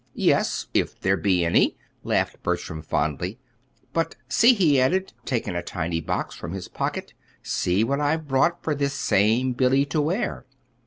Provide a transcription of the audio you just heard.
"Yes if there be any," laughed Bertram, fondly. "But, see," he added, taking a tiny box from his pocket, "see what I've brought for this same Billy to wear.